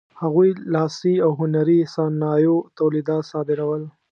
هغوی لاسي او هنري صنایعو تولیدات صادرول.